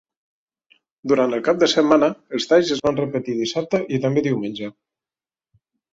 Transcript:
Durant el cap de setmana, els talls es van repetir dissabte i també diumenge.